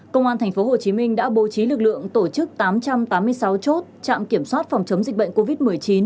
công an tp hcm đã bố trí lực lượng tổ chức tám trăm tám mươi sáu chốt trạm kiểm soát phòng chống dịch bệnh covid một mươi chín